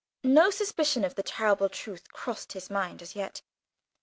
No suspicion of the terrible truth crossed his mind as yet.